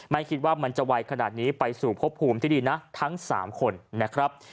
ไม่คิดว่ามันจะไวขนาดนี้ไปสู่พบภูมิที่ดีนะทั้ง๓คนนะครับ